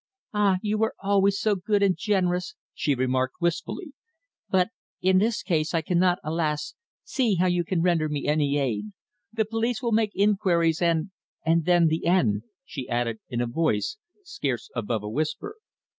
"Ah! You were always so good and generous," she remarked wistfully. "But in this case I cannot, alas, see how you can render me any aid! The police will make inquiries, and and then the end," she added in a voice scarce above a whisper.